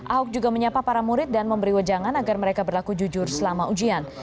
ahok juga menyapa para murid dan memberi wajangan agar mereka berlaku jujur selama ujian